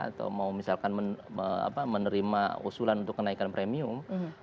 atau mau misalkan menerima usulan untuk kenaikan premium